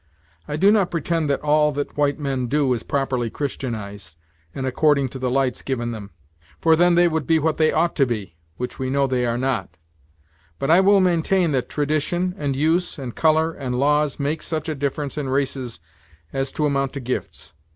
I do not pretend that all that white men do, is properly Christianized, and according to the lights given them, for then they would be what they ought to be; which we know they are not; but I will maintain that tradition, and use, and color, and laws, make such a difference in races as to amount to gifts.